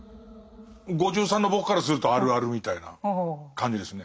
５３の僕からするとあるあるみたいな感じですね。